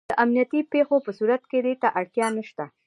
د امنیتي پېښو په صورت کې دې ته اړتیا نشته.